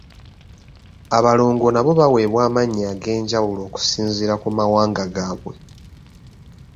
Abalongo nabo baweebwa amannya ag'enjawulo okusinziira ku mawanga gaabwe.